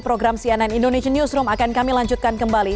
program cnn indonesia newsroom akan kami lanjutkan kembali